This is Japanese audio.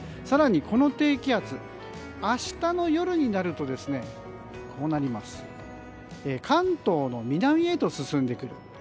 更にこの低気圧明日の夜になると関東の南へと進んでくる。